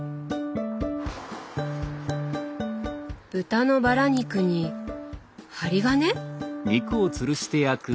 豚のバラ肉に針金？